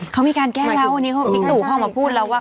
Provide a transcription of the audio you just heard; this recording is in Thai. เขามีการแก้แล้วอันนี้วิทยุเขามาพูดแล้วว่า